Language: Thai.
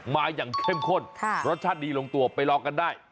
มาอย่างเข้มข้นรสชาติดีลงตัวไปลองกันได้